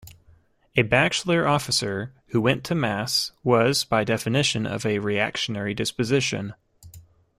A bachelor officer who went to Mass was by definition of a reactionary disposition.